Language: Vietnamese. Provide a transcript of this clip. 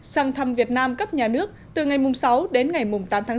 sang thăm việt nam cấp nhà nước từ ngày sáu đến ngày tám tháng sáu